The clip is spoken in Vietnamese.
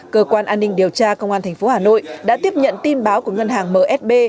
cơ quan an ninh điều tra công an tp hà nội đã tiếp nhận tin báo của ngân hàng msb